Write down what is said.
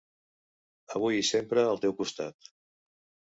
Avui i sempre, al teu costat.